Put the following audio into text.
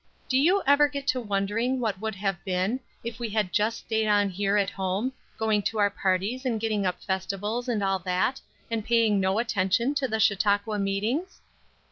Do you ever get to wondering what would have been, if we had just stayed on here at home, going to our parties and getting up festivals, and all that, and paying no attention to the Chautauqua meetings?"